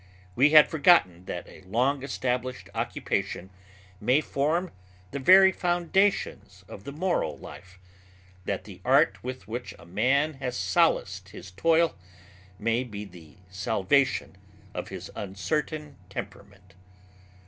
We had forgotten that a long established occupation may form the very foundations of the moral life, that the art with which a man has solaced his toil may be the salvation of his uncertain temperament.